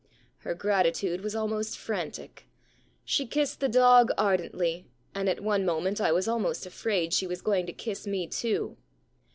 * Her gratitude was almost frantic. She kissed the dog ardently, and at one moment I was almost afraid she was going to kiss me too.